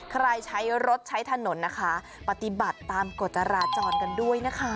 ใครใช้รถใช้ถนนนะคะปฏิบัติตามกฎจราจรกันด้วยนะคะ